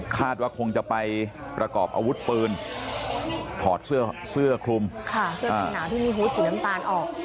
คาดว่าคงจะไปประกอบอาวุธปืนถอดเสื้อคลุมค่ะเสื้อกันหนาวที่มีฮูตสีน้ำตาลออก